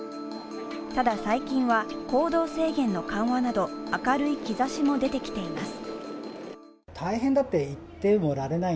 ただ、最近は行動制限の緩和など明るい兆しも出てきています。